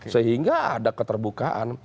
sehingga ada keterbukaan